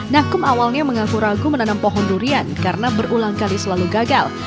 nahum awalnya mengaku ragu menanam pohon durian karena berulang kali selalu gagal